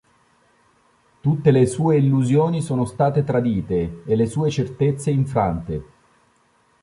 Tutte le sue illusioni sono state tradite e le sue certezze infrante.